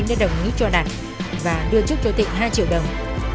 ngày ba tháng bảy